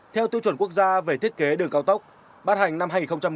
theo tiêu chuẩn quốc gia về thiết kế đường cao tốc bắt hành năm hai nghìn một mươi